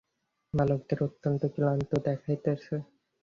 বালকদের অত্যন্ত ক্লান্ত দেখাইতেছে।